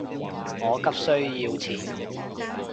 我急需要錢